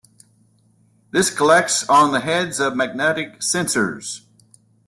This collects on the heads of magnetic sensors.